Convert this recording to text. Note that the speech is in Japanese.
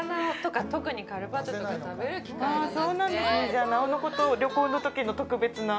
じゃあ、なおのこと旅行のときの特別な。